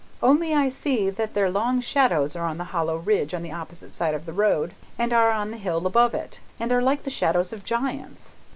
Also, I see that their long shadows are on the hollow ridge on the opposite side of the road, and are on the hill above it, and are like the shadows of giants.